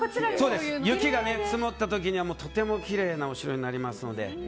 雪が積もったときはとてもきれいなお城になるので。